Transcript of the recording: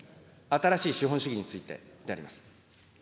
新しい資本主義についてであります。